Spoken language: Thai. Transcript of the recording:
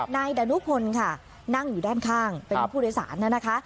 นายดานุพลค่ะนั่งอยู่ด้านข้างเป็นผู้โดยสารนะคะ